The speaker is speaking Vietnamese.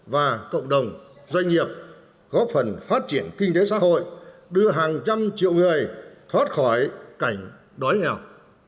và cộng đồng doanh nghiệp góp phần phát triển kinh tế xã hội đưa hàng trăm triệu người thoát khỏi cảnh đói nghèo